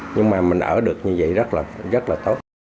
nhưng mà mình ở được như vậy rất là tốt